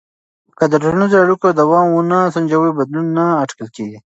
که د ټولنیزو اړیکو دوام ونه سنجوې، بدلون نه اټکل کېږي.